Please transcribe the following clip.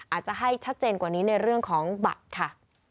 อาจจะให้ชัดเจนกว่านี้ในเรื่องของบัตรค่ะ